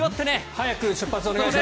早く出発をお願いします。